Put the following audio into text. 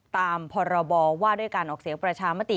ตามพรบว่าด้วยการออกเสียงประชามติ